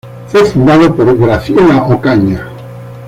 Fue fundado por Graciela Ocaña.